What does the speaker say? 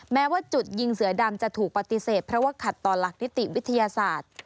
แม้ว่าจุดยิงเสือดำจะถูกปฏิเสธเพราะว่าขัดต่อหลักนิติวิทยาศาสตร์